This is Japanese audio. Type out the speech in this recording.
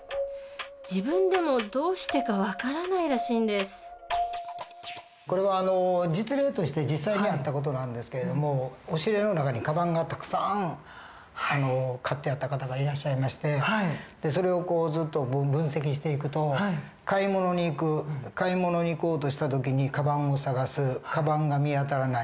自分でもどうしてか分からないらしいんですこれは実例として実際にあった事なんですけれども押し入れの中にカバンがたくさん買ってあった方がいらっしゃいましてそれをずっと分析していくと買い物に行く買い物に行こうとした時にカバンを捜すカバンが見当たらない。